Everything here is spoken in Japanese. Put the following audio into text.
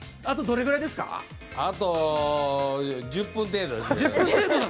あと１０分程度ですね。